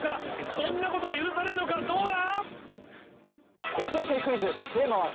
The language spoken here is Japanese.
そんなことが許されるのかどうだ？